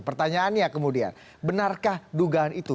pertanyaannya kemudian benarkah dugaan itu